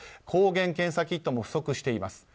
抗原検査キットも不足しています。